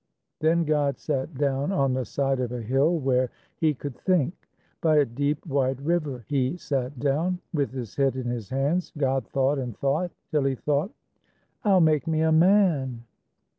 "_ Then God sat down On the side of a hill where He could think; By a deep, wide river He sat down; With His head in His hands, God thought and thought, Till He thought, _"I'll make me a man!"